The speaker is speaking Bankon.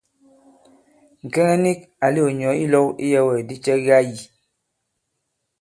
Ŋ̀kɛŋɛ nik ǎ lɛ̄k ŋ̀nyɔ̌ ilɔ̄w iyɛ̄wɛ̂kdi cɛ ki ā yī.